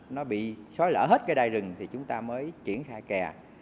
nó bị xói lở hết đai rừng thì chúng ta mới chuyển khai kè